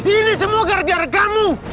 ini semua gara gara kamu